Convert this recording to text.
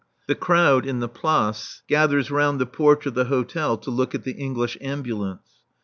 The crowd in the Place gathers round the porch of the hotel to look at the English Ambulance.